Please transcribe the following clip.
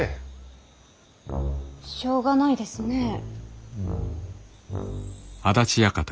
しょうがないですねえ。